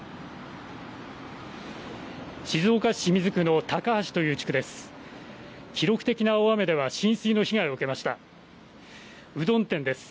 静岡市清水区のたかはしという地区です。